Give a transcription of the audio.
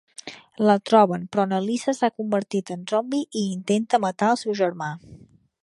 La troben, però na Lisa s'ha convertit en zombi i intenta matar el seu germà.